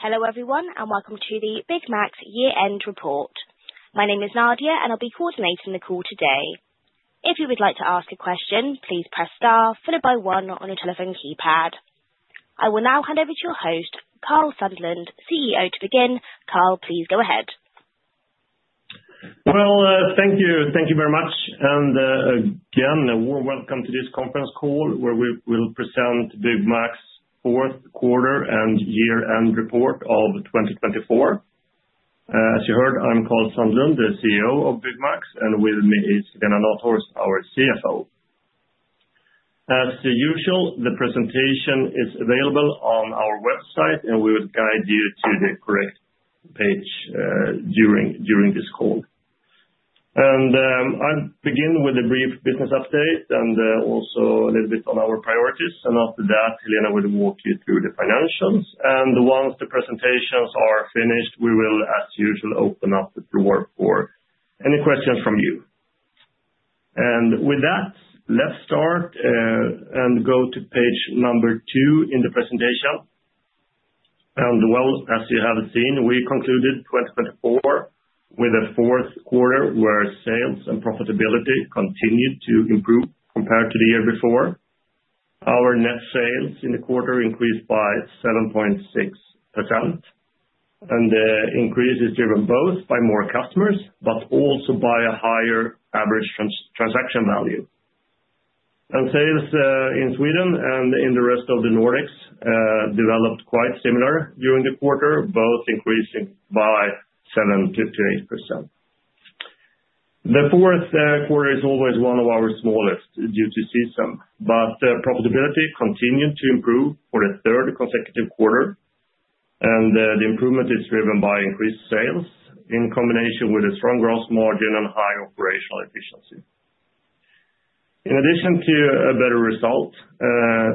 Hello everyone, and welcome to the Byggmax Year-End Report. My name is Nadia, and I'll be coordinating the call today. If you would like to ask a question, please press star followed by one on your telephone keypad. I will now hand over to your host, Karl Sandlund, CEO, to begin. Karl, please go ahead. Thank you, thank you very much. Again, welcome to this conference call where we will present Byggmax's fourth quarter and year-end report of 2024. As you heard, I'm Karl Sandlund, the CEO of Byggmax, and with me is Helena Nathhorst, our CFO. As usual, the presentation is available on our website, and we will guide you to the correct page during this call. I'll begin with a brief business update and also a little bit on our priorities. After that, Helena will walk you through the financials. Once the presentations are finished, we will, as usual, open up the floor for any questions from you. With that, let's start and go to page number two in the presentation. As you have seen, we concluded 2024 with a fourth quarter where sales and profitability continued to improve compared to the year before. Our net sales in the quarter increased by 7.6%, and the increase is driven both by more customers but also by a higher average transaction value, and sales in Sweden and in the rest of the Nordics developed quite similar during the quarter, both increasing by 7-8%. The fourth quarter is always one of our smallest due to season, but profitability continued to improve for the third consecutive quarter, and the improvement is driven by increased sales in combination with a strong gross margin and high operational efficiency. In addition to a better result,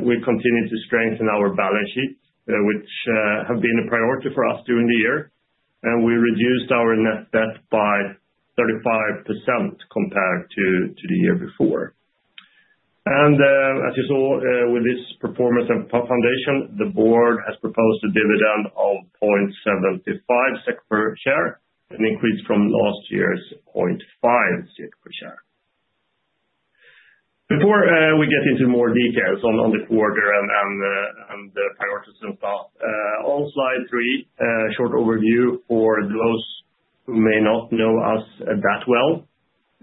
we continue to strengthen our balance sheet, which has been a priority for us during the year, and we reduced our net debt by 35% compared to the year before. As you saw with this performance and foundation, the board has proposed a dividend of 0.75% per share, an increase from last year's 0.5% per share. Before we get into more details on the quarter and the priorities and stuff, on slide three, a short overview for those who may not know us that well.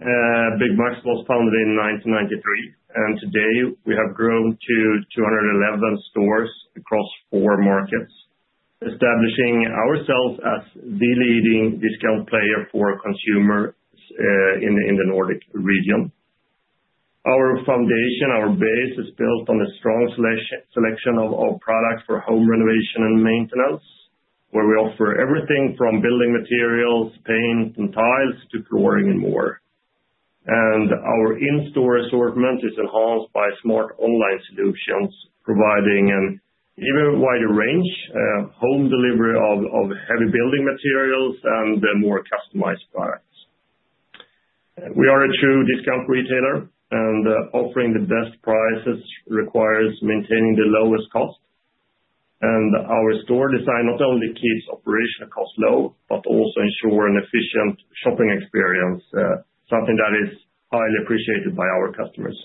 ByggMax was founded in 1993, and today we have grown to 211 stores across four markets, establishing ourselves as the leading discount player for consumers in the Nordic region. Our foundation, our base, is built on a strong selection of our products for home renovation and maintenance, where we offer everything from building materials, paint and tiles, to flooring and more. Our in-store assortment is enhanced by smart online solutions, providing an even wider range, home delivery of heavy building materials and more customized products. We are a true discount retailer, and offering the best prices requires maintaining the lowest cost and our store design not only keeps operational costs low but also ensures an efficient shopping experience, something that is highly appreciated by our customers.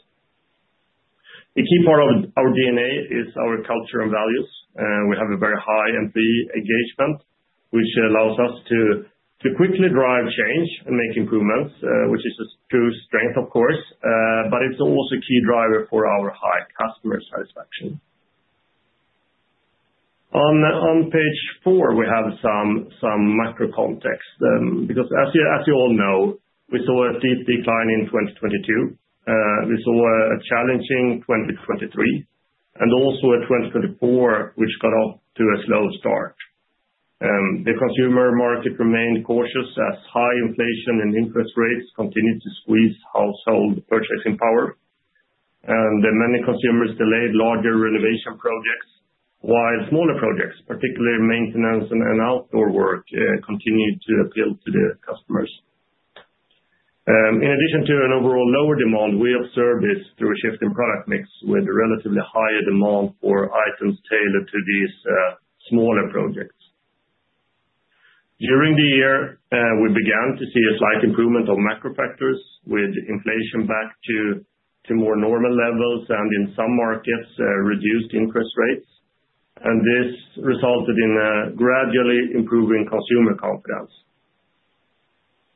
A key part of our DNA is our culture and values. We have a very high employee engagement, which allows us to quickly drive change and make improvements, which is a true strength, of course, but it's also a key driver for our high customer satisfaction. On page four, we have some macro context. Because as you all know, we saw a deep decline in 2022. We saw a challenging 2023 and also a 2024, which got off to a slow start. The consumer market remained cautious as high inflation and interest rates continued to squeeze household purchasing power. And many consumers delayed larger renovation projects, while smaller projects, particularly maintenance and outdoor work, continued to appeal to the customers. In addition to an overall lower demand, we observed this through a shift in product mix with a relatively higher demand for items tailored to these smaller projects. During the year, we began to see a slight improvement of macro factors with inflation back to more normal levels and in some markets reduced interest rates. And this resulted in a gradually improving consumer confidence.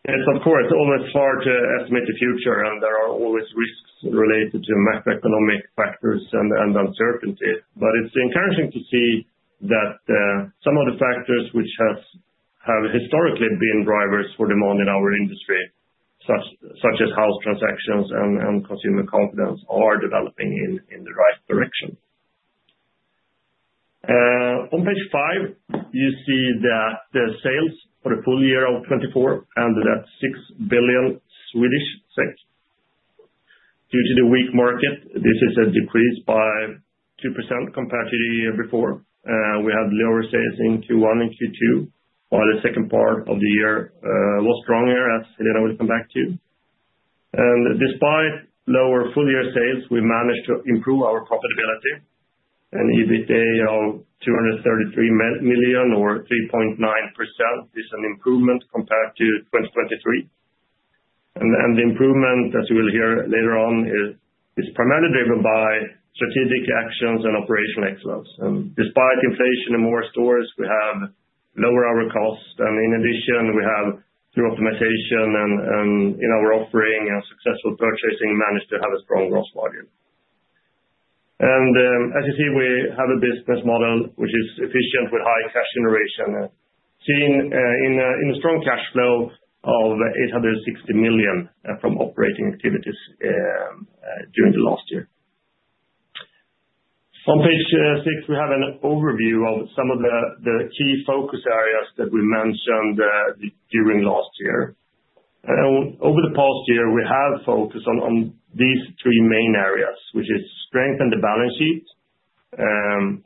It's, of course, always hard to estimate the future, and there are always risks related to macroeconomic factors and uncertainty. But it's encouraging to see that some of the factors which have historically been drivers for demand in our industry, such as house transactions and consumer confidence, are developing in the right direction. On page five, you see that the sales for the full year of 2024 ended at 6 billion Swedish SEK. Due to the weak market, this is a decrease by 2% compared to the year before. We had lower sales in Q1 and Q2, while the second part of the year was stronger, as Helena will come back to, and despite lower full-year sales, we managed to improve our profitability. An EBITDA of 233 million, or 3.9%, is an improvement compared to 2023, and the improvement, as you will hear later on, is primarily driven by strategic actions and operational excellence, and despite inflation in more stores, we have lowered our costs, and in addition, we have, through optimization and in our offering and successful purchasing, managed to have a strong gross margin. As you see, we have a business model which is efficient with high cash generation, seen in a strong cash flow of 860 million from operating activities during the last year. On page six, we have an overview of some of the key focus areas that we mentioned during last year. Over the past year, we have focused on these three main areas, which are strengthen the balance sheet,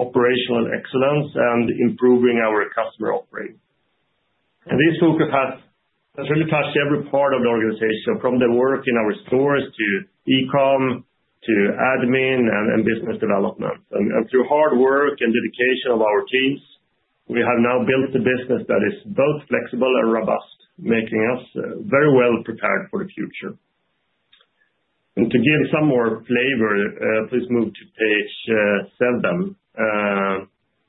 operational excellence, and improving our customer offering. This focus has really touched every part of the organization, from the work in our stores to e-com to admin and business development. Through hard work and dedication of our teams, we have now built a business that is both flexible and robust, making us very well prepared for the future. To give some more flavor, please move to page seven.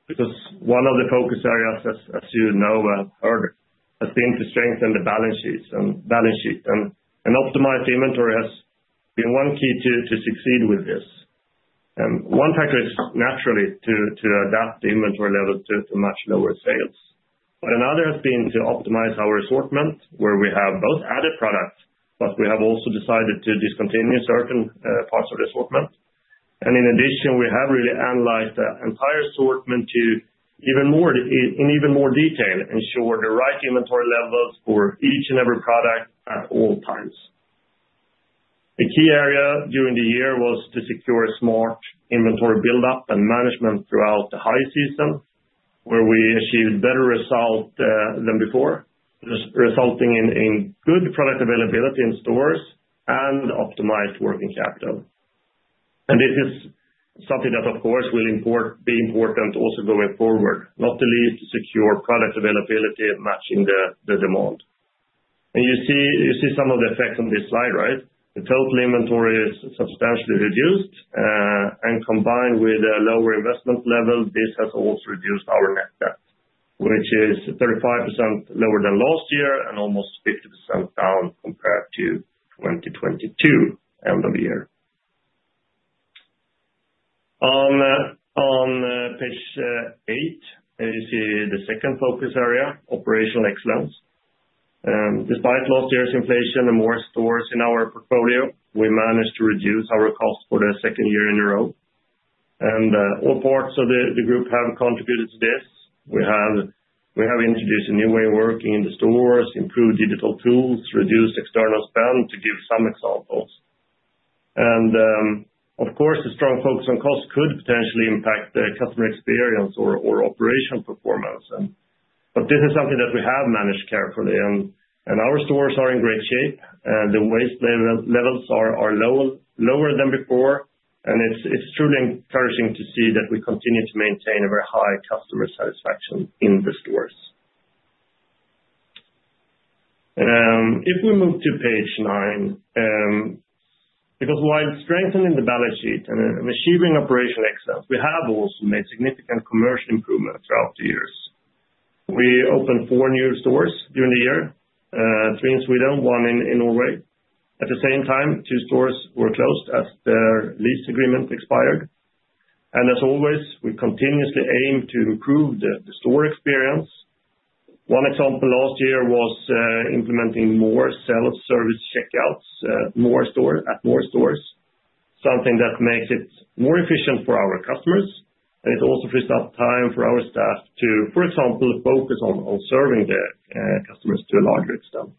Because one of the focus areas, as you know or have heard, has been to strengthen the balance sheet. And optimizing inventory has been one key to succeed with this. And one factor is naturally to adapt the inventory level to much lower sales. But another has been to optimize our assortment, where we have both added products, but we have also decided to discontinue certain parts of the assortment. And in addition, we have really analyzed the entire assortment in even more detail to ensure the right inventory levels for each and every product at all times. A key area during the year was to secure smart inventory buildup and management throughout the high season, where we achieved better results than before, resulting in good product availability in stores and optimized working capital. This is something that, of course, will be important also going forward, not the least to secure product availability and matching the demand. You see some of the effects on this slide, right? The total inventory is substantially reduced. Combined with a lower investment level, this has also reduced our net debt, which is 35% lower than last year and almost 50% down compared to 2022 end of year. On page eight, you see the second focus area, operational excellence. Despite last year's inflation and more stores in our portfolio, we managed to reduce our costs for the second year in a row. All parts of the group have contributed to this. We have introduced a new way of working in the stores, improved digital tools, reduced external spend, to give some examples. Of course, a strong focus on costs could potentially impact the customer experience or operational performance. This is something that we have managed carefully. Our stores are in great shape. The waste levels are lower than before. It's truly encouraging to see that we continue to maintain a very high customer satisfaction in the stores. If we move to page nine, because while strengthening the balance sheet and achieving operational excellence, we have also made significant commercial improvements throughout the years. We opened four new stores during the year, three in Sweden, one in Norway. At the same time, two stores were closed as their lease agreement expired. As always, we continuously aim to improve the store experience. One example last year was implementing more self-service checkouts at more stores, something that makes it more efficient for our customers. And it also frees up time for our staff to, for example, focus on serving their customers to a larger extent.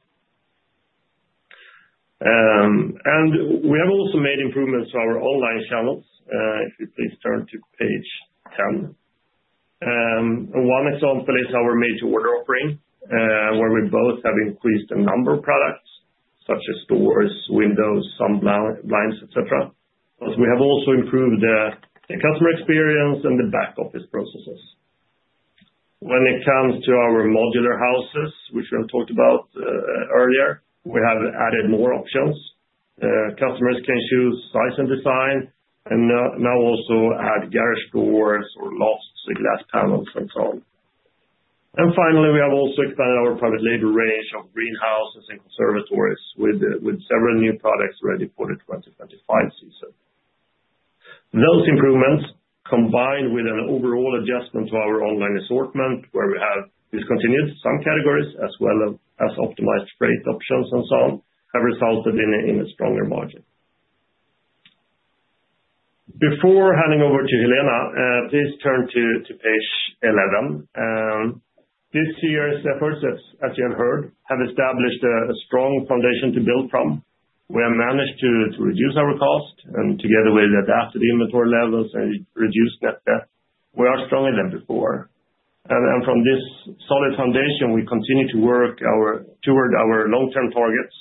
And we have also made improvements to our online channels. If you please turn to page ten. One example is our made to order offering, where we both have increased the number of products, such as doors, windows, sunblinds, etc. But we have also improved the customer experience and the back office processes. When it comes to our modular houses, which we have talked about earlier, we have added more options. Customers can choose size and design and now also add garage doors or lofts with glass panels and so on. And finally, we have also expanded our private label range of greenhouses and conservatories with several new products ready for the 2025 season. Those improvements, combined with an overall adjustment to our online assortment, where we have discontinued some categories as well as optimized freight options and so on, have resulted in a stronger margin. Before handing over to Helena, please turn to page 11. This year's efforts, as you have heard, have established a strong foundation to build from. We have managed to reduce our costs, and together we adapted inventory levels and reduced net debt. We are stronger than before, and from this solid foundation, we continue to work toward our long-term targets.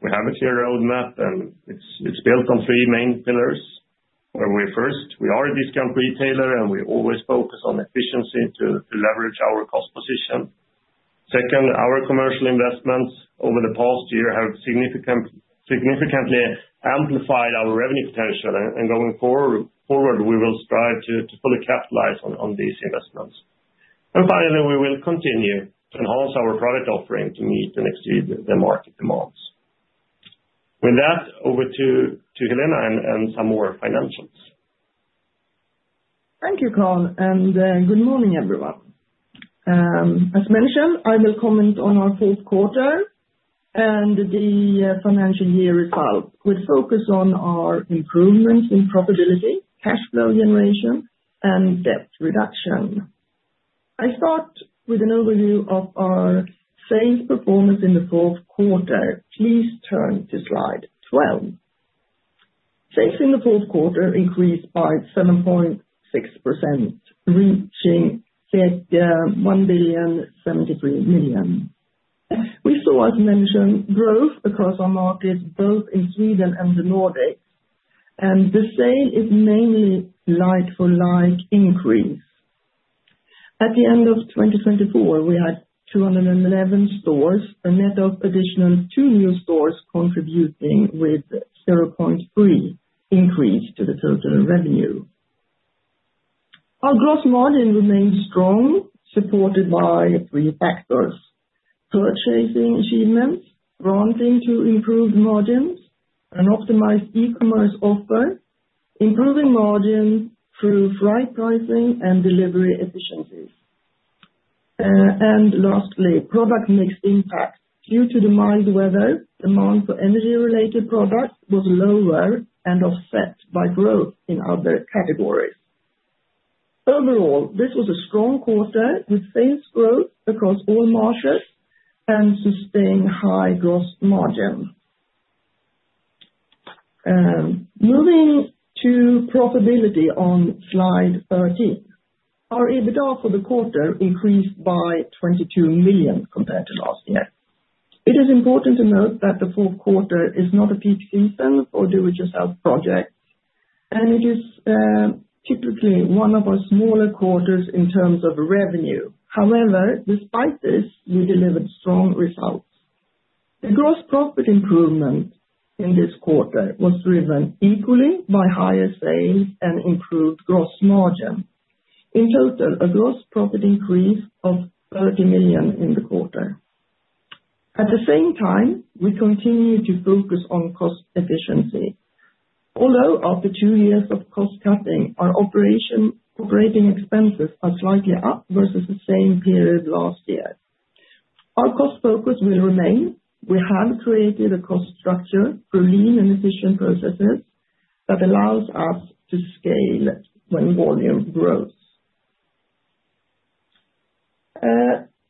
We have a clear roadmap, and it's built on three main pillars, where we first, we are a discount retailer, and we always focus on efficiency to leverage our cost position. Second, our commercial investments over the past year have significantly amplified our revenue potential, and going forward, we will strive to fully capitalize on these investments. Finally, we will continue to enhance our product offering to meet and exceed the market demands. With that, over to Helena and some more financials. Thank you, Karl. Good morning, everyone. As mentioned, I will comment on our fourth quarter and the financial year results. We'll focus on our improvements in profitability, cash flow generation, and debt reduction. I start with an overview of our sales performance in the fourth quarter. Please turn to slide 12. Sales in the fourth quarter increased by 7.6%, reaching 1.073 billion. We saw, as mentioned, growth across our markets, both in Sweden and the Nordics. The sales are mainly like-for-like increase. At the end of 2024, we had 211 stores, a net of additional two new stores contributing with 0.3% increase to the total revenue. Our gross margin remained strong, supported by three factors: purchasing achievements, contributing to improved margins, an optimized e-commerce offer, improving margins through freight pricing and delivery efficiencies, and lastly, product mix impacts. Due to the mild weather, demand for energy-related products was lower and offset by growth in other categories. Overall, this was a strong quarter with sales growth across all markets and sustained high gross margin. Moving to profitability on slide 13, our EBITDA for the quarter increased by 22 million compared to last year. It is important to note that the fourth quarter is not a peak season for do-it-yourself projects, and it is typically one of our smaller quarters in terms of revenue. However, despite this, we delivered strong results. The gross profit improvement in this quarter was driven equally by higher sales and improved gross margin. In total, a gross profit increase of 30 million in the quarter. At the same time, we continue to focus on cost efficiency. Although after two years of cost cutting, our operating expenses are slightly up versus the same period last year. Our cost focus will remain. We have created a cost structure through lean and efficient processes that allows us to scale when volume grows.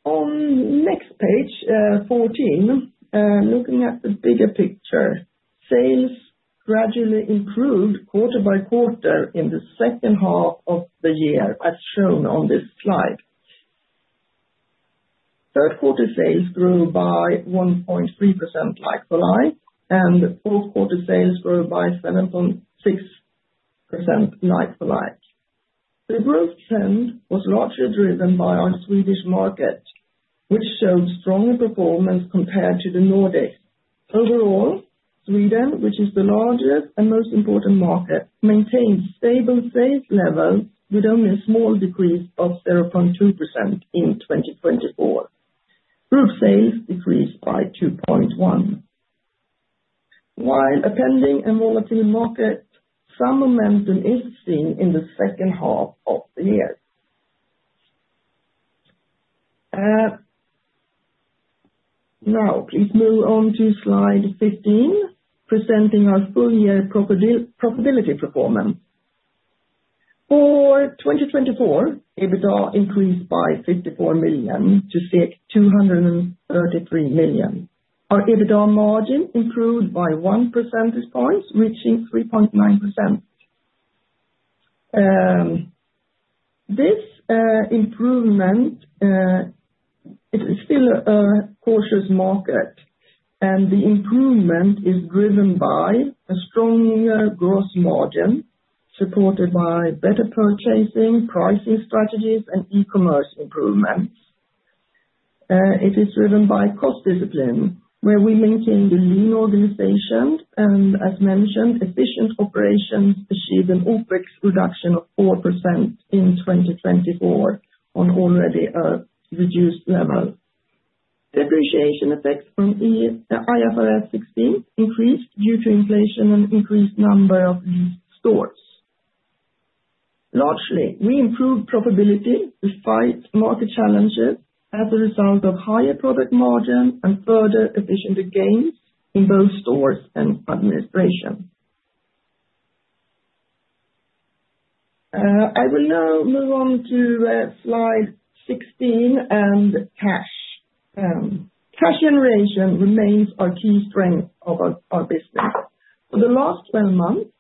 On next page 14, looking at the bigger picture, sales gradually improved quarter by quarter in the second half of the year, as shown on this slide. Third quarter sales grew by 1.3% like-for-like, and fourth quarter sales grew by 7.6% like-for-like. The growth trend was largely driven by our Swedish market, which showed stronger performance compared to the Nordics. Overall, Sweden, which is the largest and most important market, maintained stable sales levels with only a small decrease of 0.2% in 2024. Group sales decreased by 2.1%. While a pending and volatile market, some momentum is seen in the second half of the year. Now, please move on to slide 15, presenting our full-year profitability performance. For 2024, EBITDA increased by 54 million to 233 million. Our EBITDA margin improved by one percentage point, reaching 3.9%. This improvement, it is still a cautious market, and the improvement is driven by a stronger gross margin supported by better purchasing, pricing strategies, and e-commerce improvements. It is driven by cost discipline, where we maintain the lean organization, and as mentioned, efficient operations achieved an OpEx reduction of 4% in 2024 on already a reduced level. Depreciation effects from IFRS 16 increased due to inflation and increased number of leased stores. Largely, we improved profitability despite market challenges as a result of higher product margin and further efficient gains in both stores and administration. I will now move on to slide 16 and cash. Cash generation remains our key strength of our business. For the last 12 months,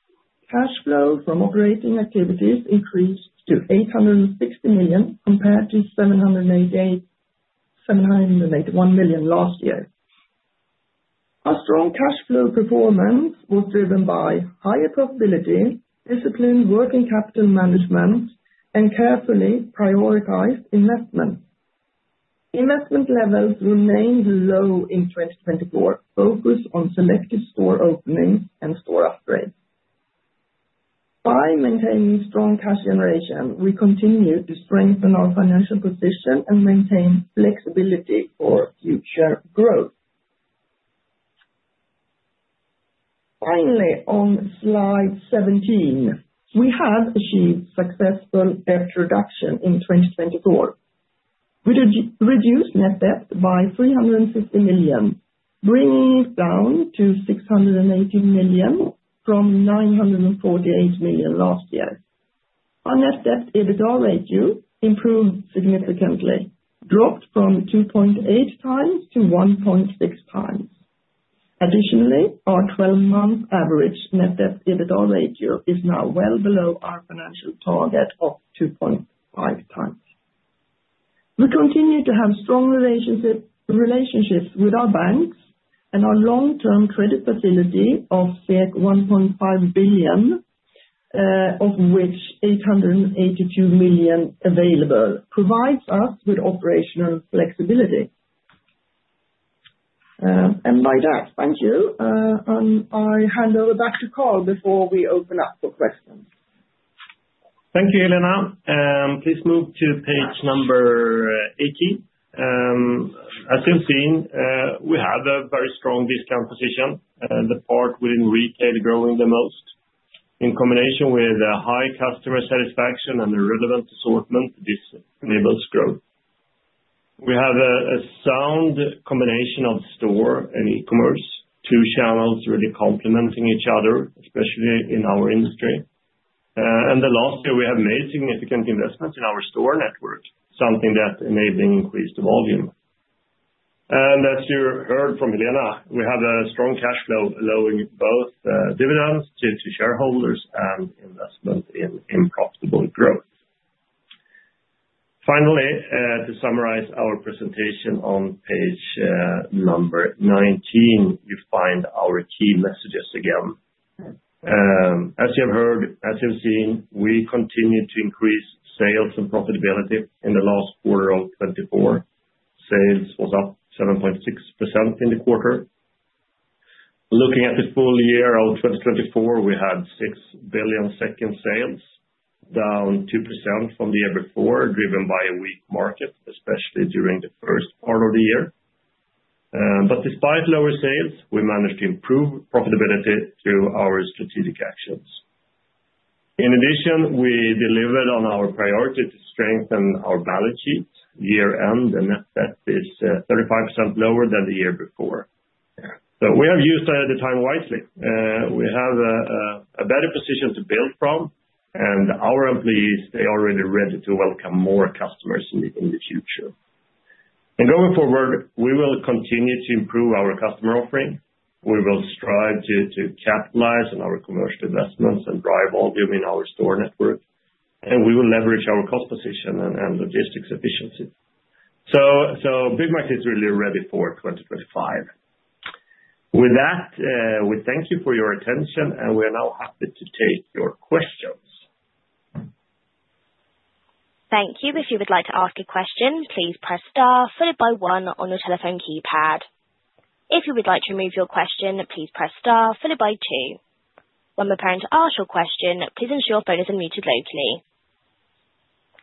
cash flow from operating activities increased to 860 million compared to 781 million last year. Our strong cash flow performance was driven by higher profitability, disciplined working capital management, and carefully prioritized investments. Investment levels remained low in 2024, focused on selective store openings and store upgrades. By maintaining strong cash generation, we continue to strengthen our financial position and maintain flexibility for future growth. Finally, on slide 17, we have achieved successful debt reduction in 2024. We reduced net debt by 350 million, bringing it down to 680 million from 948 million last year. Our net debt EBITDA ratio improved significantly, dropped from 2.8 times to 1.6 times. Additionally, our 12-month average net debt EBITDA ratio is now well below our financial target of 2.5 times. We continue to have strong relationships with our banks and our long-term credit facility of 1.5 billion, of which 882 million available, provides us with operational flexibility. And by that, thank you. And I hand over back to Karl before we open up for questions. Thank you, Helena. Please move to page number 18. As you've seen, we have a very strong discount position, the part within retail growing the most. In combination with high customer satisfaction and the relevant assortment, this enables growth. We have a sound combination of store and e-commerce, two channels really complementing each other, especially in our industry. And the last year, we have made significant investments in our store network, something that enabling increased volume. And as you heard from Helena, we have a strong cash flow allowing both dividends to shareholders and investment in profitable growth. Finally, to summarize our presentation on page number 19, you find our key messages again. As you've heard, as you've seen, we continue to increase sales and profitability in the last quarter of 2024. Sales was up 7.6% in the quarter. Looking at the full year of 2024, we had 6 billion sales, down 2% from the year before, driven by a weak market, especially during the first part of the year. But despite lower sales, we managed to improve profitability through our strategic actions. In addition, we delivered on our priority to strengthen our balance sheet. Year-end, the net debt is 35% lower than the year before. So we have used the time wisely. We have a better position to build from. And our employees, they are already ready to welcome more customers in the future. And going forward, we will continue to improve our customer offering. We will strive to capitalize on our commercial investments and drive volume in our store network. And we will leverage our cost position and logistics efficiency. So Byggmax is really ready for 2025. With that, we thank you for your attention, and we are now happy to take your questions. Thank you. If you would like to ask a question, please press star followed by one on your telephone keypad. If you would like to remove your question, please press star followed by two. When we're preparing to ask your question, please ensure your phone is unmuted locally.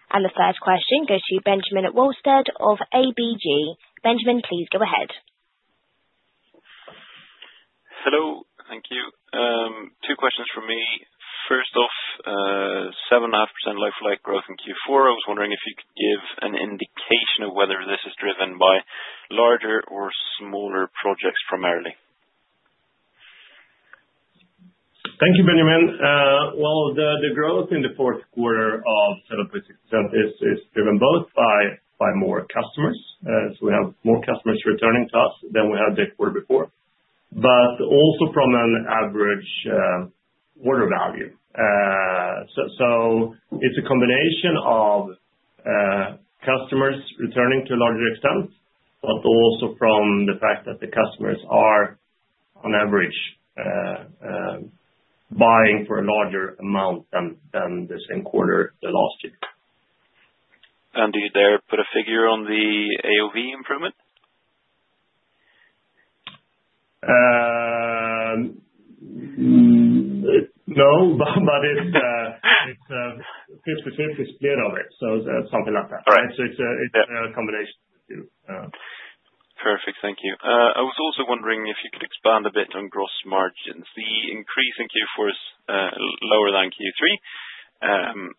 And the first question goes to Benjamin Wahlstedt of ABG. Benjamin, please go ahead. Hello. Thank you. Two questions for me. First off, 7.5% like-for-like growth in Q4. I was wondering if you could give an indication of whether this is driven by larger or smaller projects primarily. Thank you, Benjamin. The growth in the fourth quarter of 7.6% is driven both by more customers. So we have more customers returning to us than we had the quarter before, but also from an average order value. So it's a combination of customers returning to a larger extent, but also from the fact that the customers are, on average, buying for a larger amount than the same quarter the last year. There, put a figure on the AOV improvement? No, but it's 50-50 split of it. So it's something like that. So it's a combination. Perfect. Thank you. I was also wondering if you could expand a bit on gross margins. The increase in Q4 is lower than Q3,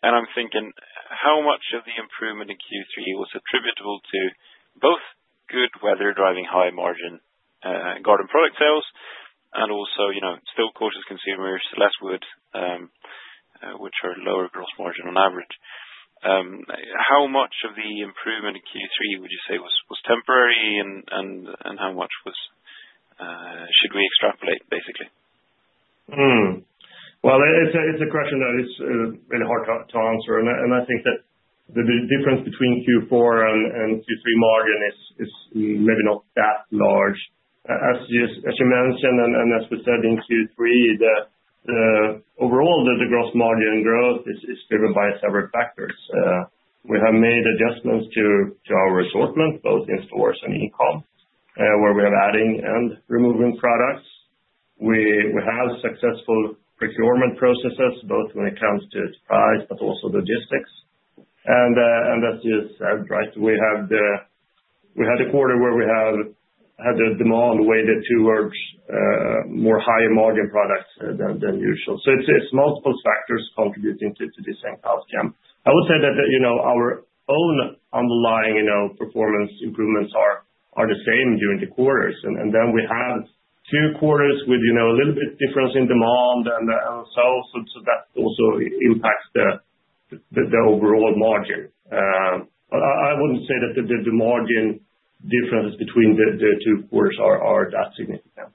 and I'm thinking how much of the improvement in Q3 was attributable to both good weather driving high margin garden product sales and also still cautious consumers, less wood, which are lower gross margin on average. How much of the improvement in Q3 would you say was temporary, and how much should we extrapolate, basically? It's a question that is really hard to answer. I think that the difference between Q4 and Q3 margin is maybe not that large. As you mentioned, and as we said in Q3, overall, the gross margin growth is driven by several factors. We have made adjustments to our assortment, both in stores and e-com, where we are adding and removing products. We have successful procurement processes, both when it comes to price, but also logistics. As you said, right, we had a quarter where we had the demand weighted towards higher margin products than usual. It's multiple factors contributing to the same outcome. I would say that our own underlying performance improvements are the same during the quarters. We have two quarters with a little bit difference in demand. That also impacts the overall margin. I wouldn't say that the margin differences between the two quarters are that significant.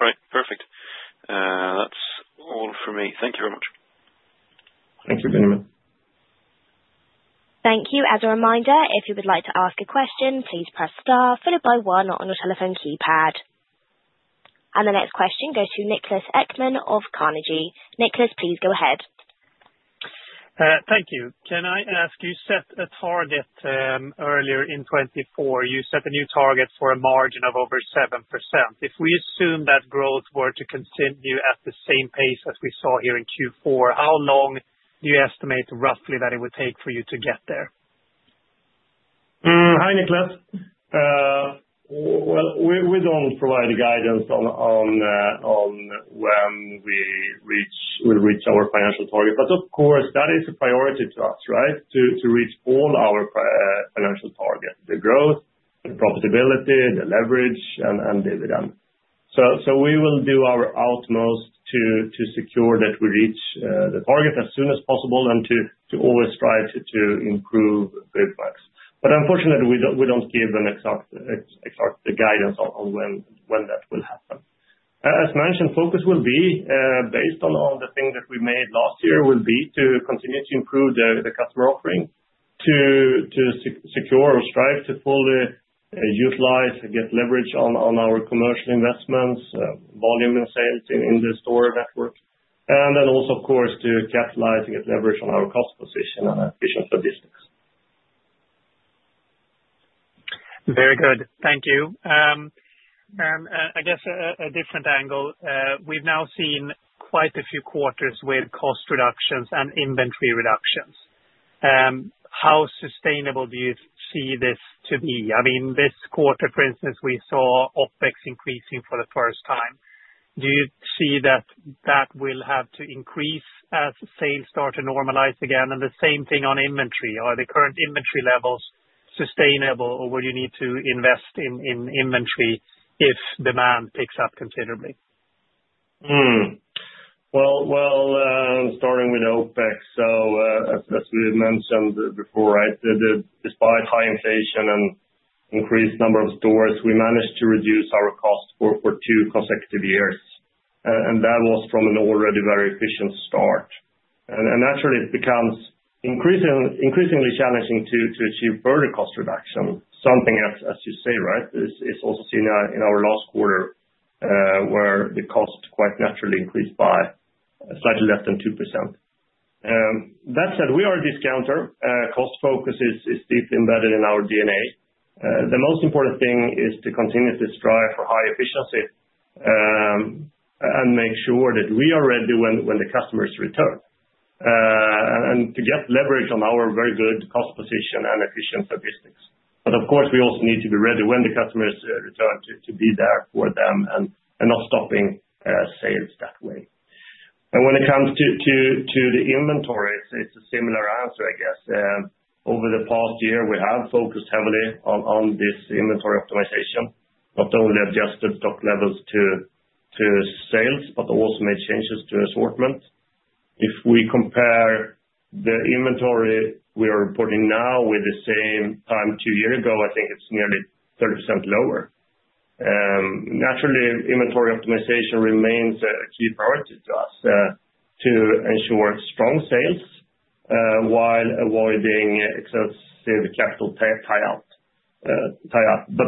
All right. Perfect. That's all for me. Thank you very much. Thank you, Benjamin. Thank you. As a reminder, if you would like to ask a question, please press star followed by one on your telephone keypad. And the next question goes to Niklas Ekman of Carnegie. Niklas, please go ahead. Thank you. Can I ask you, set a target earlier in 2024, you set a new target for a margin of over 7%. If we assume that growth were to continue at the same pace as we saw here in Q4, how long do you estimate roughly that it would take for you to get there? Hi, Niklas. Well, we don't provide guidance on when we will reach our financial target. But of course, that is a priority to us, right, to reach all our financial targets: the growth, the profitability, the leverage, and dividend. So we will do our utmost to secure that we reach the target as soon as possible and to always try to improve Byggmax. But unfortunately, we don't give an exact guidance on when that will happen. As mentioned, focus will be based on the thing that we made last year, to continue to improve the customer offering, to secure or strive to fully utilize and get leverage on our commercial investments, volume and sales in the store network. And then also, of course, to capitalize and get leverage on our cost position and efficient logistics. Very good. Thank you. And I guess a different angle. We've now seen quite a few quarters with cost reductions and inventory reductions. How sustainable do you see this to be? I mean, this quarter, for instance, we saw OpEx increasing for the first time. Do you see that it will have to increase as sales start to normalize again? And the same thing on inventory. Are the current inventory levels sustainable, or will you need to invest in inventory if demand picks up considerably? Starting with OpEx, so as we mentioned before, right, despite high inflation and increased number of stores, we managed to reduce our cost for two consecutive years. That was from an already very efficient start. Naturally, it becomes increasingly challenging to achieve further cost reduction, something, as you say, right, is also seen in our last quarter, where the cost quite naturally increased by slightly less than 2%. That said, we are a discounter. Cost focus is deeply embedded in our DNA. The most important thing is to continue to strive for high efficiency and make sure that we are ready when the customers return and to get leverage on our very good cost position and efficient logistics. Of course, we also need to be ready when the customers return to be there for them and not stopping sales that way. When it comes to the inventory, it's a similar answer, I guess. Over the past year, we have focused heavily on this inventory optimization, not only adjusted stock levels to sales, but also made changes to assortment. If we compare the inventory we are reporting now with the same time two years ago, I think it's nearly 30% lower. Naturally, inventory optimization remains a key priority to us to ensure strong sales while avoiding excessive capital tie-out. But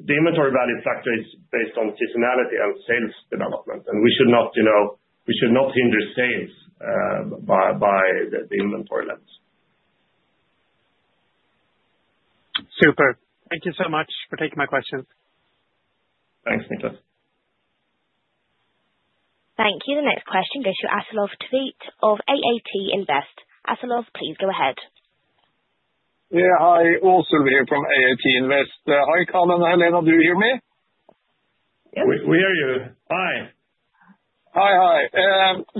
the inventory value factor is based on seasonality and sales development, and we should not hinder sales by the inventory levels. Super. Thank you so much for taking my questions. Thanks, Niklas Thank you. The next question goes to Aasulv Tveitereid of AAT Invest. Asleik, please go ahead. Yeah. Hi. Asleik here from AAT Invest. Hi, Karl and Helena. Do you hear me? Yep. We hear you. Hi. Hi, hi.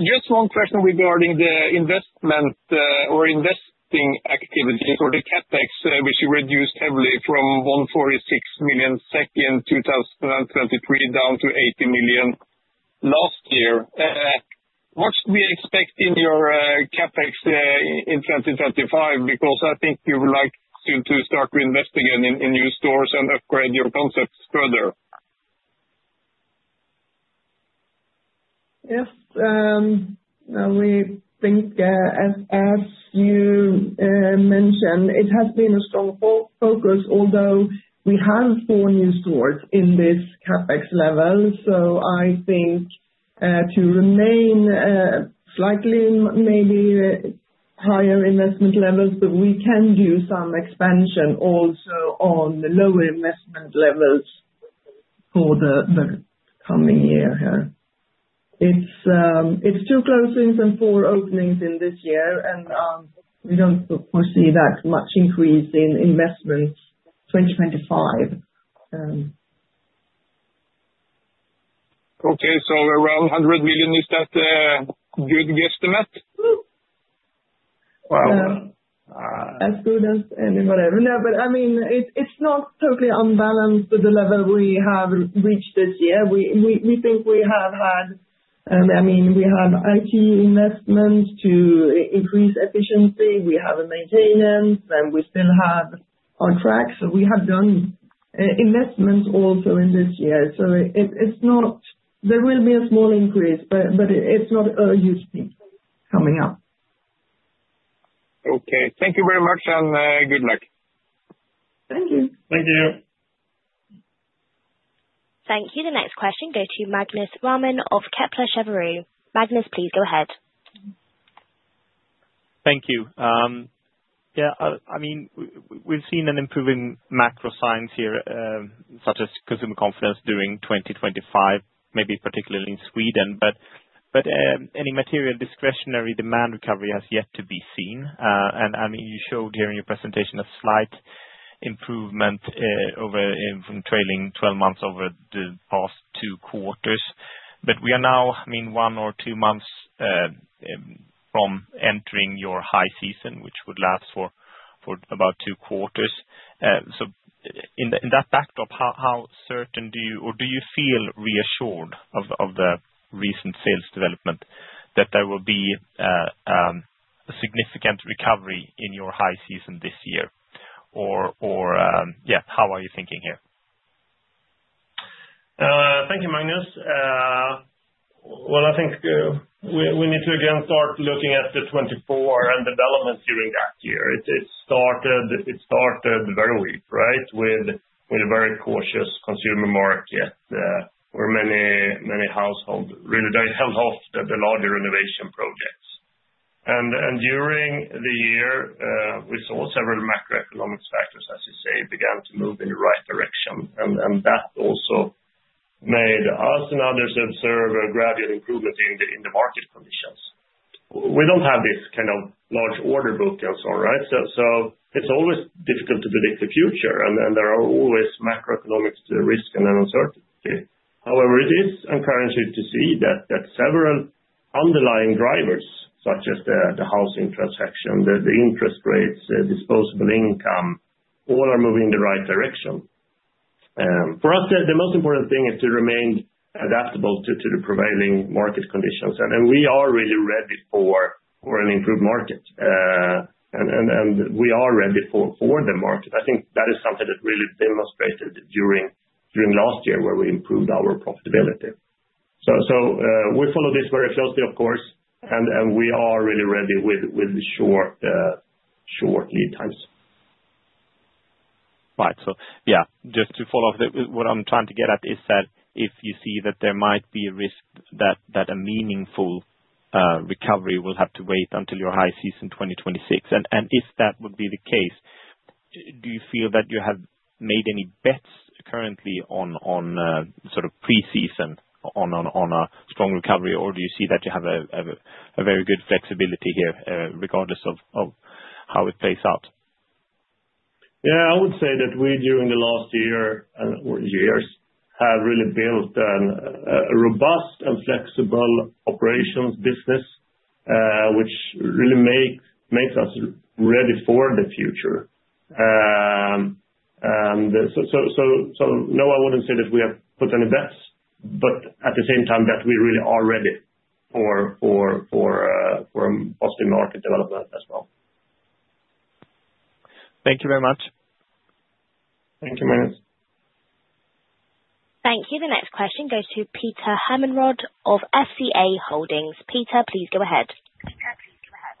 Just one question regarding the investment or investing activities or the CapEx, which you reduced heavily from 146 million SEK in 2023 down to 80 million last year. What should we expect in your CapEx in 2025? Because I think you would like to start reinvesting in new stores and upgrade your concepts further. Yes. We think, as you mentioned, it has been a strong focus, although we have four new stores in this CapEx level. So I think to remain slightly maybe higher investment levels, but we can do some expansion also on the lower investment levels for the coming year here. It's two closings and four openings in this year, and we don't foresee that much increase in investments 2025. Okay, so around 100 million, is that a good guesstimate? Wow. As good as anybody. But I mean, it's not totally unbalanced with the level we have reached this year. We think we have had, I mean, we have IT investments to increase efficiency. We have a maintenance, and we still have on track. So we have done investments also in this year. So there will be a small increase, but it's not a huge thing coming up. Okay. Thank you very much and good luck. Thank you. Thank you. Thank you. The next question goes to Magnus Råman of Kepler Cheuvreux. Magnus, please go ahead. Thank you. Yeah. I mean, we've seen an improving macro scene here, such as consumer confidence during 2025, maybe particularly in Sweden. But any material discretionary demand recovery has yet to be seen. And I mean, you showed here in your presentation a slight improvement from trailing 12 months over the past two quarters. But we are now, I mean, one or two months from entering your high season, which would last for about two quarters. So in that backdrop, how certain do you, or do you feel reassured of the recent sales development that there will be a significant recovery in your high season this year? Or yeah, how are you thinking here? Thank you, Magnus. Well, I think we need to, again, start looking at the 2024 and developments during that year. It started very weak, right, with a very cautious consumer market where many households really held off the larger renovation projects. And during the year, we saw several macroeconomic factors, as you say, began to move in the right direction. And that also made us and others observe a gradual improvement in the market conditions. We don't have this kind of large order book and so on, right? So it's always difficult to predict the future, and there are always macroeconomic risks and uncertainty. However, it is encouraging to see that several underlying drivers, such as the housing transaction, the interest rates, disposable income, all are moving in the right direction. For us, the most important thing is to remain adaptable to the prevailing market conditions. We are really ready for an improved market. We are ready for the market. I think that is something that really demonstrated during last year where we improved our profitability. We follow this very closely, of course, and we are really ready with short lead times. Right. So yeah, just to follow up, what I'm trying to get at is that if you see that there might be a risk that a meaningful recovery will have to wait until your high season 2026, and if that would be the case, do you feel that you have made any bets currently on sort of pre-season on a strong recovery, or do you see that you have a very good flexibility here regardless of how it plays out? Yeah. I would say that we, during the last year or years, have really built a robust and flexible operations business, which really makes us ready for the future. And so no, I wouldn't say that we have put any bets, but at the same time that we really are ready for positive market development as well. Thank you very much. Thank you, Magnus. Thank you. The next question goes to Peter Hermanrud of FCA Holdings. Peter, please go ahead. Peter, please go ahead.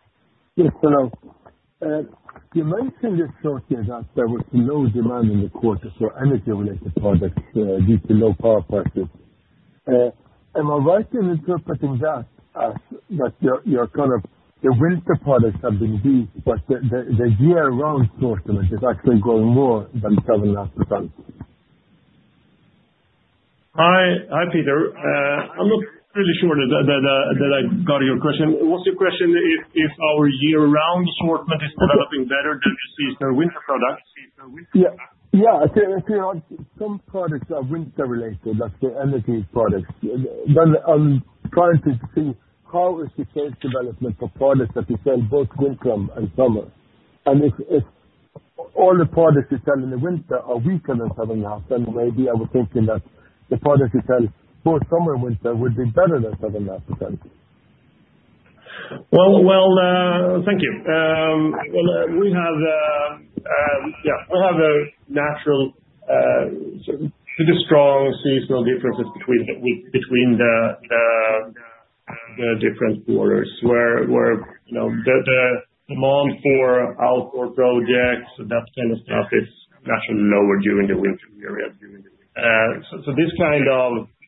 Yes, hello. You mentioned this shortly that there was no demand in the quarter for energy-related products due to low power prices. Am I right in interpreting that, that your kind of the winter products have been beaten, but the year-round assortment is actually growing more than 7%? Hi, Peter. I'm not really sure that I got your question. Was your question if our year-round assortment is developing better than the seasonal winter products? Yeah. Some products are winter-related, like the energy products. But I'm trying to see how is the sales development for products that you sell both winter and summer? And if all the products you sell in the winter are weaker than 7%, maybe I was thinking that the products you sell both summer and winter would be better than 7%. Thank you. We have a natural sort of strong seasonal differences between the different quarters where the demand for outdoor projects and that kind of stuff is naturally lower during the winter period.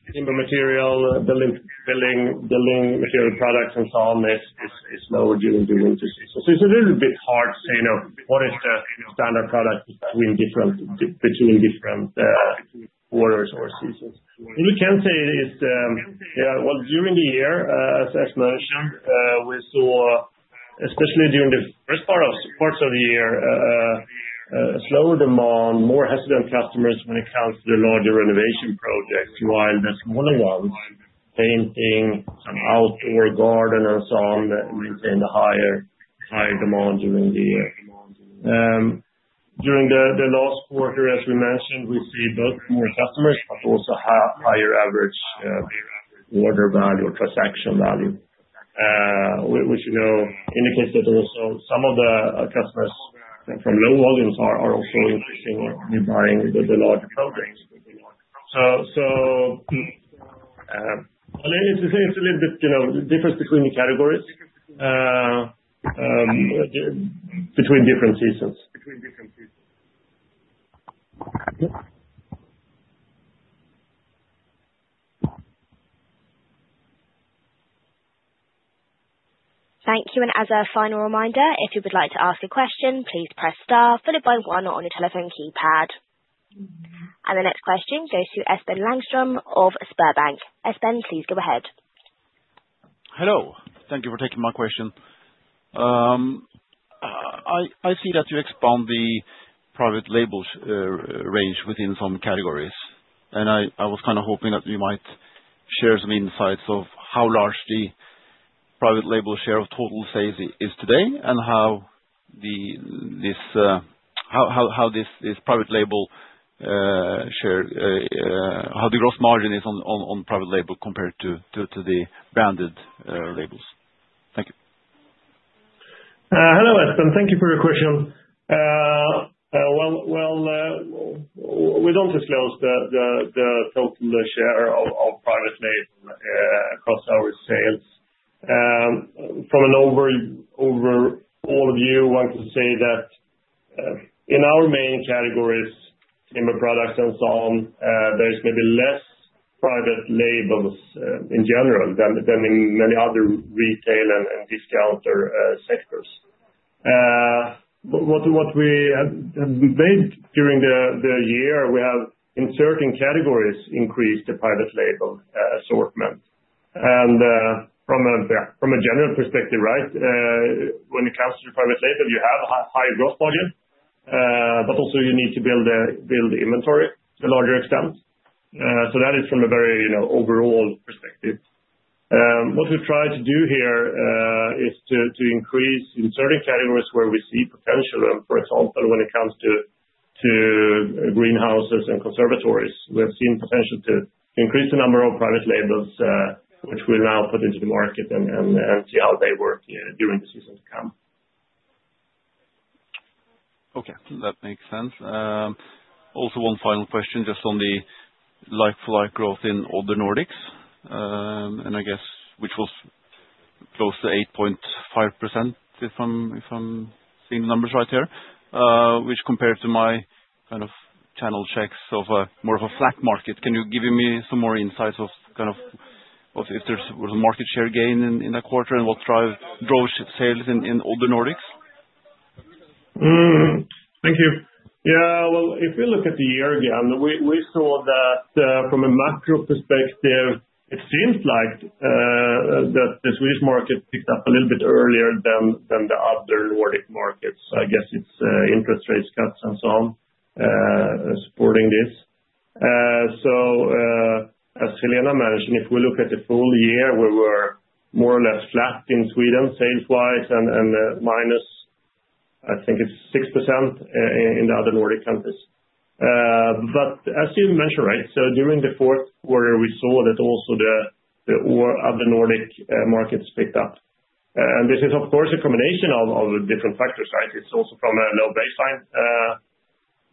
So this kind of timber material, building material products, and so on is lower during the winter season. So it's a little bit hard to say what is the standard product between different quarters or seasons. What we can say is, yeah, well, during the year, as mentioned, we saw, especially during the first part of the year, slower demand, more hesitant customers when it comes to the larger renovation projects, while the smaller ones painting an outdoor garden and so on maintain the higher demand during the year. During the last quarter, as we mentioned, we see both more customers, but also higher average order value or transaction value, which indicates that also some of the customers from low volumes are also increasing or buying the larger projects. So it's a little bit difference between the categories, between different seasons. Thank you. And as a final reminder, if you would like to ask a question, please press star, followed by one on your telephone keypad. And the next question goes to Espen Langstrom of SpareBank 1 Markets. Espen, please go ahead. Hello. Thank you for taking my question. I see that you expand the private label range within some categories. And I was kind of hoping that you might share some insights of how large the private label share of total sales is today and how this private label share, how the gross margin is on private label compared to the branded labels? Thank you. Hello, Espen. Thank you for your question. We don't disclose the total share of private label across our sales. From an overall view, I want to say that in our main categories, timber products and so on, there is maybe less private labels in general than in many other retail and discounter sectors. What we have made during the year, we have in certain categories increased the private label assortment. From a general perspective, right, when it comes to private label, you have high gross margins, but also you need to build inventory to a larger extent. That is from a very overall perspective. What we try to do here is to increase in certain categories where we see potential. For example, when it comes to greenhouses and conservatories, we have seen potential to increase the number of private labels, which we'll now put into the market and see how they work during the season to come. Okay. That makes sense. Also one final question just on the like-for-like growth in other Nordics, and I guess which was close to 8.5% if I'm seeing the numbers right here, which compared to my kind of channel checks of more of a flat market. Can you give me some more insights of kind of if there was a market share gain in that quarter and what drove sales in other Nordics? Thank you. Yeah, well, if we look at the year again, we saw that from a macro perspective, it seems like that the Swedish market picked up a little bit earlier than the other Nordic markets. I guess it's interest rate cuts and so on supporting this, so as Helena mentioned, if we look at the full year, we were more or less flat in Sweden sales-wise and minus, I think it's 6% in the other Nordic countries, but as you mentioned, right, so during the fourth quarter, we saw that also the other Nordic markets picked up, and this is, of course, a combination of different factors, right? It's also from a low baseline,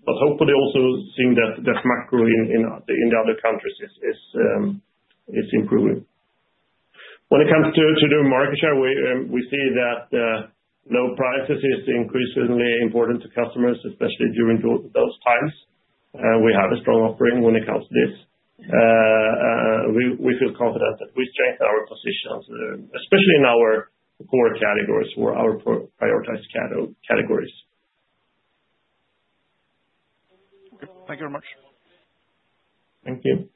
but hopefully, also seeing that macro in the other countries is improving. When it comes to the market share, we see that low prices is increasingly important to customers, especially during those times. We have a strong offering when it comes to this. We feel confident that we've changed our positions, especially in our core categories or our prioritized categories. Okay. Thank you very much. Thank you.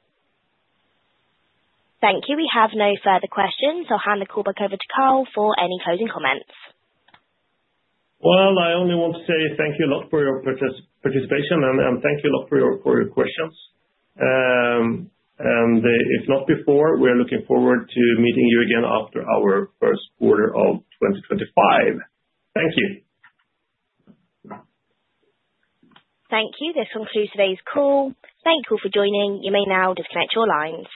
Thank you. We have no further questions. I'll hand the call back over to Karl for any closing comments. I only want to say thank you a lot for your participation, and thank you a lot for your questions. If not before, we are looking forward to meeting you again after our first quarter of 2025. Thank you. Thank you. This concludes today's call. Thank you all for joining. You may now disconnect your lines.